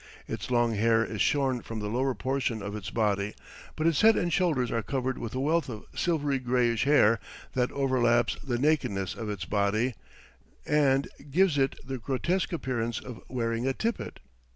Its long hair is shorn from the lower portion of its body, but its head and shoulders are covered with a wealth of silvery grayish hair that overlaps the nakedness of its body and gives it the grotesque appearance of wearing a tippet.